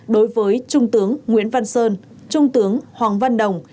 đối với trung tướng nguyễn văn sơn trung tướng hoàng văn đồng